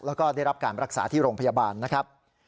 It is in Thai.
แล้วก็ได้รับการรักษาที่โรงพยาบาลนะครับ